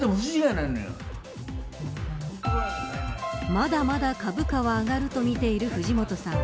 まだまだ株価は上がると見ている藤本さん。